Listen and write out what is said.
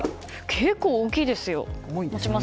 結構大きいですよ。